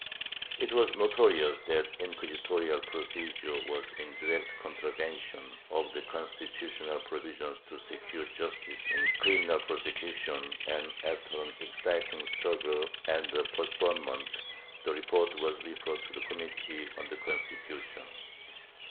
It was notorious that inquisitorial procedure was in direct contra vention of the constitutional provisions to secure justice in criminal prosecutions and, after an exciting struggle and a postponement, the report was referred to the committee on the Constitution.